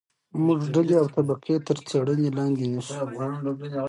موږ ډلې او طبقې تر څېړنې لاندې نیسو.